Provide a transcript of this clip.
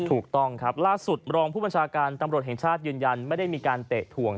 ถูกต้องครับล่าสุดรองผู้บัญชาการตำรวจแห่งชาติยืนยันไม่ได้มีการเตะถ่วง